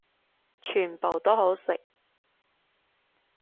全部都好食